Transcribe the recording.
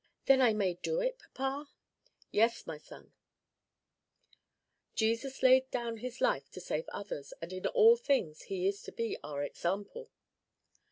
"Then I may do it, papa?" "Yes, my son; Jesus laid down his life to save others, and in all things he is to be our example."